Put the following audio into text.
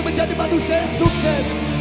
menjadi manusia yang sukses